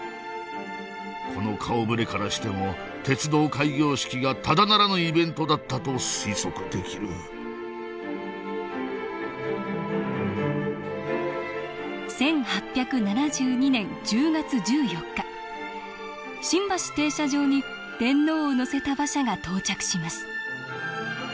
この顔ぶれからしても鉄道開業式がただならぬイベントだったと推測できる新橋停車場に天皇を乗せた馬車が到着します